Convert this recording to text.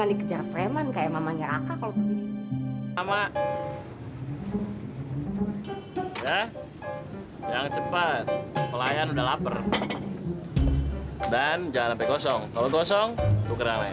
aduh kamu tuh kayak nggak ada kegiatan yang lebih berbobot lagi